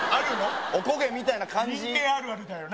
おこげみたいな感じあるの？